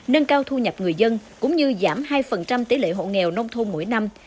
nâng cao thu nhập người dân cũng như giảm hai tỷ lệ hộ nghèo nông thôn mỗi năm